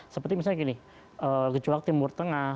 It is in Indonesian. seperti misalnya gini gejolak timur tengah